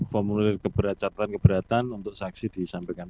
formulir kebercatan keberatan untuk saksi disampaikan